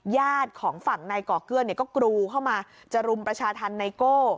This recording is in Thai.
ญาติของฝั่งนายก่อเกื้อนก็กรูเข้ามาจะรุมประชาธรรมไนโก้